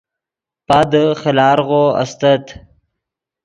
پادے خیلارغو استت